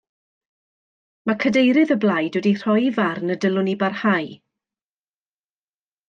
Mae cadeirydd y blaid wedi rhoi ei farn y dylwn i barhau